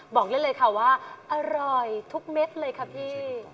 บอกได้เลยค่ะว่าอร่อยทุกเม็ดเลยค่ะพี่